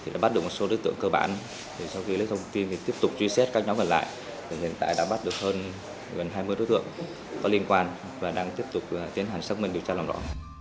đã bắt được một số đối tượng cơ bản sau khi lấy thông tin thì tiếp tục truy xét các nhóm còn lại hiện tại đã bắt được hơn gần hai mươi đối tượng có liên quan và đang tiếp tục tiến hành xác minh điều tra làm rõ